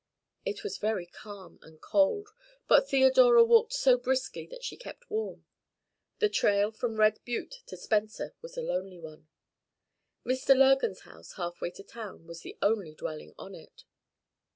It was very calm and cold, but Theodora walked so briskly that she kept warm. The trail from Red Butte to Spencer was a lonely one. Mr. Lurgan's house, halfway to town, was the only dwelling on it.